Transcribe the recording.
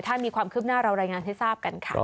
ถ้ามีความคืบหน้าเรารายงานให้ทราบกันค่ะ